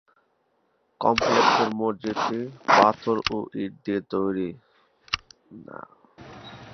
কমপ্লেক্সের মসজিদটি পাথর ও ইট দিয়ে দিয়ে নির্মিত।